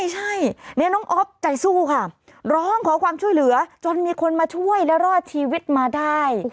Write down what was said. ใช่นี่น้องอ๊อฟใจสู้ค่ะร้องขอความช่วยเหลือจนมีคนมาช่วยและรอดชีวิตมาได้